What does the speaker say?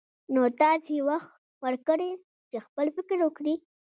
نو تاسې وخت ورکړئ چې خپل فکر وکړي.